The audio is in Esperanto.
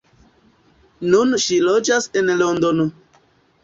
Nun ŝi loĝas en Londono.